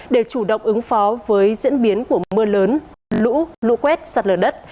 để chủ động ứng phó với diễn biến của mưa lớn lũ lũ quét sạt lở đất